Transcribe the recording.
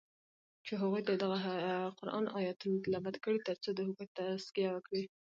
چی هغوی ته ددغه قرآن آیتونه تلاوت کړی تر څو د هغوی تزکیه وکړی